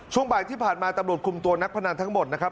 ช่วงบ่ายที่ผ่านมาตำรวจคุมตัวนักพนันทั้งหมดนะครับ